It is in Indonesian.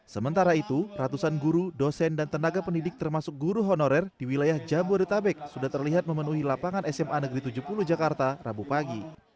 sementara itu ratusan guru dosen dan tenaga pendidik termasuk guru honorer di wilayah jabodetabek sudah terlihat memenuhi lapangan sma negeri tujuh puluh jakarta rabu pagi